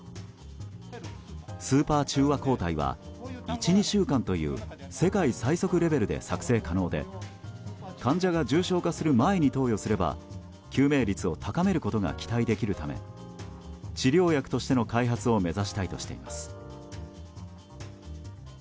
スーパー中和抗体は１２週間という世界最速レベルで作製可能で患者が重症化する前に投与すれば救命率を高めることが期待できるため治療薬としての開発を目指したいとしています。